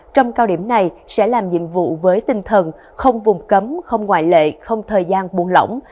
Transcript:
trong cao điểm này sẽ làm nhiệm vụ với tinh thần không vùng cấm không ngoại lệ không thời gian buồn lỏng